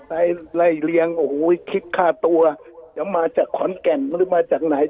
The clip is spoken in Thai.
ใส่รายเลี้ยงโอ้โหคิดฆ่าตัวยังมาจากข้านแก่งหรือมาจากไหน